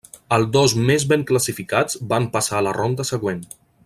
El dos més ben classificats van passar a la ronda següent.